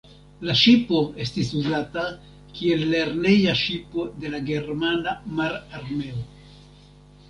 La ŝipo estis uzata kiel lerneja ŝipo de la Germana Mararmeo.